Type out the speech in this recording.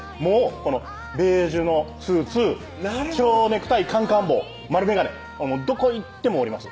このベージュのスーツ・ちょうネクタイ・カンカン帽・円眼鏡どこ行ってもおります